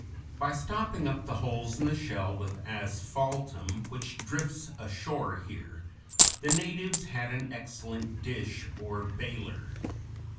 By stopping up the holes in the shell with asphaltum, which drifts ashore here, the natives had an excellent dish, or bailer.